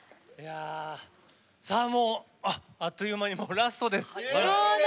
あっという間にラストです。